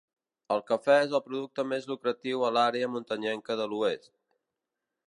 El cafè és el producte més lucratiu a l'àrea muntanyenca de l'oest.